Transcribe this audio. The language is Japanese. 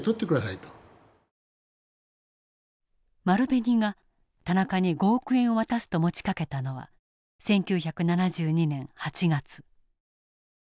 丸紅が田中に５億円を渡すと持ちかけたのは１９７２年８月。